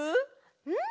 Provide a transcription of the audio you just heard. うん！